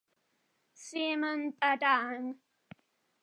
Semen Padang